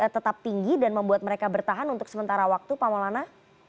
tetap tinggi dan membuat mereka bertahan untuk sementara waktu pak maulana